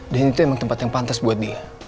dan itu emang tempat yang pantas buat dia